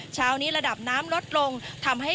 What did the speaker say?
เช้านี้ระดับน้ำลดลงทำให้